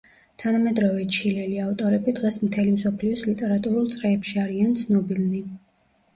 თანამედროვე ჩილელი ავტორები დღეს მთელი მსოფლიოს ლიტერატურულ წრეებში არიან ცნობილნი.